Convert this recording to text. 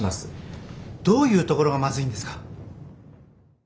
どういうところがまずいんですか。